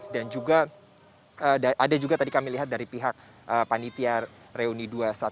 dan juga ada juga tadi kami lihat dari pihak penitia reuni dua ratus dua belas